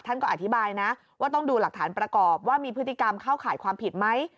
ท่านก็อธิบายนะว่าต้องดูหลักฐานประกอบว่ามีพฤติกรรมเข้าข่ายความผิดไหม